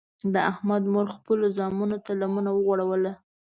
د احمد مور خپلو زمنو ته لمنه وغوړوله.